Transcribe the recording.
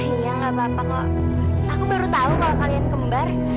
iya gak apa apa aku baru tau kalau kalian kembar